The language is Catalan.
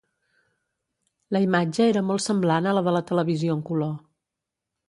La imatge era molt semblant a la de la televisió en color.